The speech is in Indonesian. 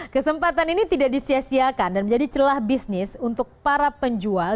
kesempatan ini tidak disiasiakan dan menjadi celah bisnis untuk para penjual